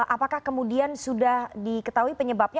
apakah kemudian sudah diketahui penyebabnya